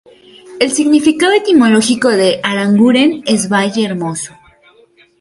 El significado etimológico de Aranguren es 'valle hermoso'.